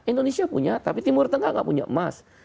indonesia punya tapi timur tengah nggak punya emas